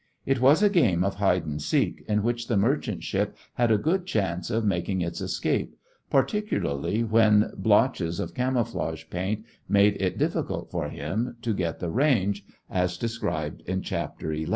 It was a game of hide and seek in which the merchant ship had a good chance of making its escape, particularly when blotches of camouflage paint made it difficult for him to get the range, as described in Chapter XI.